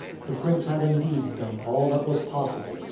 The prince had indeed done all that was possible.